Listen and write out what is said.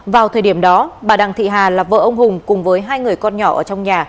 vào thời điểm đó bà đặng thị hà là vợ ông hùng cùng với hai người con nhỏ ở trong nhà